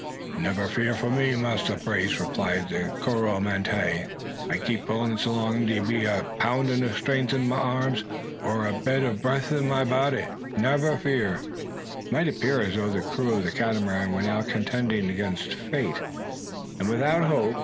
"Nebba fear fo' me, Massa Brace!" replied the Coromantee. "A keep pullin' so long's de be a poun' o' trength in ma arms, or a bit o' breff in ma body. Nebba fear!" It might appear as though the crew of the Catamaran were now contending against fate, and without hope.